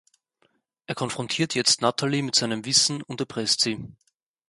Er konfrontiert jetzt Natalie mit seinem Wissen und erpresst sie.